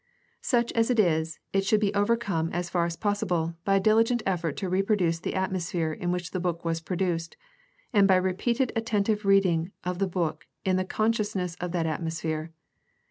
Such as it is, it should be overcome as far as possible by a diligent effort to reproduce the atmosphere in which the book was produced and by repeated attentive readings of the book in the consciousness of that atmosphere.